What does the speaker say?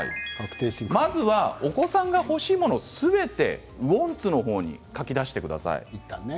お子さんが欲しいもの、すべてまずはウォンツの方に書き出してください。